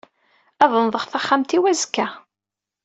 Ad nnḍeɣ taxxamt-iw azekka.